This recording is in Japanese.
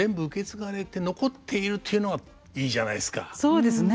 そうですね。